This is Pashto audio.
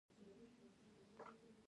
له مور څخه مې پوښتنه وکړه.